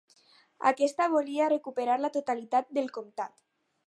Aquesta volia recuperar la totalitat del comtat.